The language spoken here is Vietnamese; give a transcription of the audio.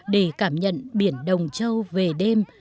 để cảm nhận biển đồng châu về đêm